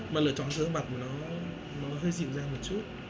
mà lựa chọn giữa mặt của nó hơi dịu ra một chút